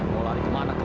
mau lari kemana kau